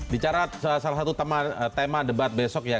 bicara salah satu tema debat besok ya